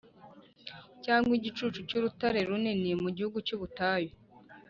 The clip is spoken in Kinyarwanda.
cyangwa igicucu cy’urutare runini, mu gihugu cy’ubutayu.